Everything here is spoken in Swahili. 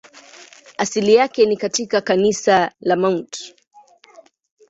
Asili yake ni katika kanisa la Mt.